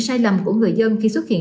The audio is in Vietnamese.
sai lầm của người dân khi xuất hiện